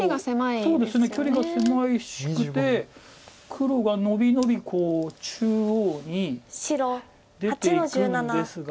そうですね距離が狭くて黒が伸び伸び中央に出ていくんですが。